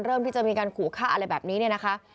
เริ่มที่จะมีการขู่ฆ่าอะไรแบบนี้นะคะ